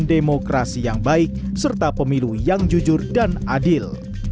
demokrasi yang baik serta pemilu yang jujur dan adil